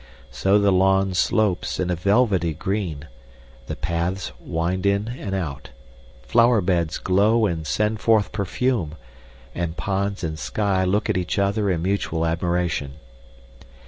So the lawn slopes in a velvety green; the paths wind in and out; flower beds glow and send forth perfume; and ponds and sky look at each other in mutual admiration.